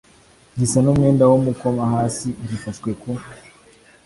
gisa n umwenda w umukomahasi gifashwe ku